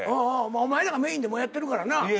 お前らがメインでもうやってるからなぁ。